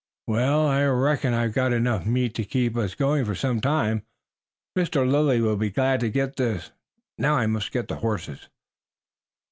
"Well, I reckon I've got enough meat to keep us going for some time. Mr. Lilly will be glad to get this. Now, I must get the horses."